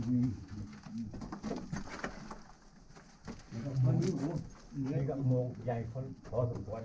นี่ก็โมงใหญ่พอสมควร